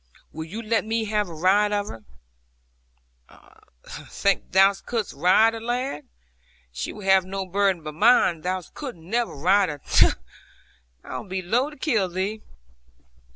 Will you let me have a ride of her?' 'Think thou couldst ride her, lad? She will have no burden but mine. Thou couldst never ride her. Tut! I would be loath to kill thee.'